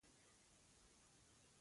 قران شریف یې واخیست.